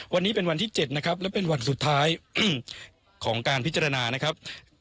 วันนี้เป็นวันที่๗นะครับและเป็นวันสุดท้ายของการพิจารณานะครับ